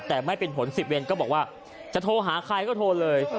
แต่ไม่เป็นผล๑๐เวนก็บอกว่าจะโทรหาใครก็โทรเลย